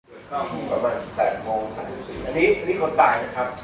ประมาณ๘โมง๓๔นาทีอันนี้อันนี้คนตายนะครับ